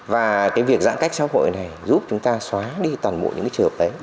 và cái việc giãn cách xã hội này giúp chúng ta xóa đi toàn bộ những cái trường hợp đấy